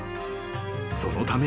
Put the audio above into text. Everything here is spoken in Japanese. そのため］